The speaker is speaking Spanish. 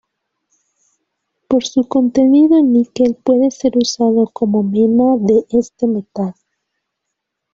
Por su contenido en níquel puede ser usado como mena de este metal.